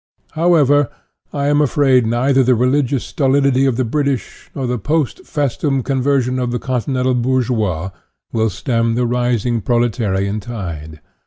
However, I am afraid neither the religious stolidity of the British, nor the post festum con version of the Continental bourgeois will stem the rising Proletarian tide.